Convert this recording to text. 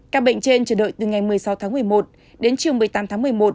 các bệnh trên chờ đợi từ ngày một mươi sáu tháng một mươi một đến chiều một mươi tám tháng một mươi một